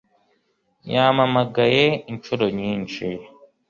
Yampamagaye inshuro nyinshi